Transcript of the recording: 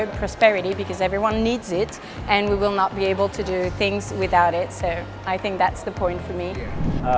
dan kita tidak akan bisa melakukan hal hal tanpa itu jadi saya pikir itu adalah titik utama bagi saya